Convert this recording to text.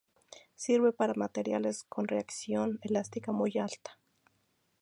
Sirve para materiales con reacción elástica muy alta.